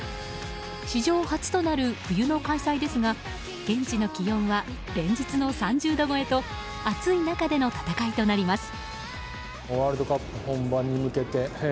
史上初となる冬の開催ですが現地の気温は連日の３０度超えと暑い中での戦いとなります。